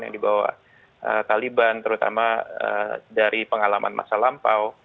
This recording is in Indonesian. yang dibawa taliban terutama dari pengalaman masa lampau